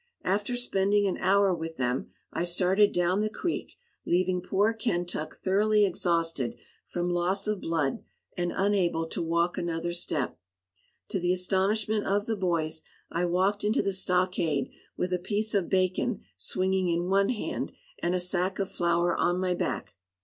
After spending an hour with them, I started down the creek, leaving poor Kentuck thoroughly exhausted from loss of blood, and unable to walk another step. To the astonishment of the boys, I walked into the stockade with a piece of bacon swinging in one hand and a sack of flour on my back.